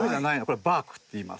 これはバークっていいます。